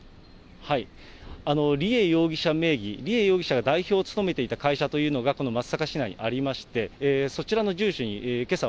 梨恵容疑者名義、梨恵容疑者が代表を務めていた会社というのが、この松阪市内にありまして、そちらの住所にけさ